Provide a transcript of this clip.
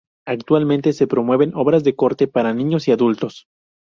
Actualmente se promueven obras de corte para niños y adultos.